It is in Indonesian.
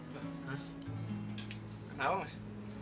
mas kenapa mas